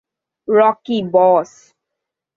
Rocky, বস।